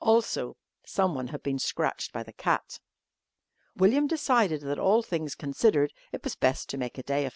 Also someone had been scratched by the cat. William decided that all things considered it was best to make a day of it.